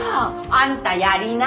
あんたやりな。